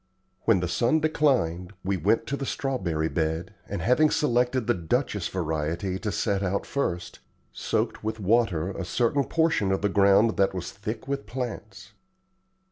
When the sun declined, we went to the strawberry bed, and having selected the Duchess variety to set out first, soaked with water a certain portion of the ground that was thick with plants.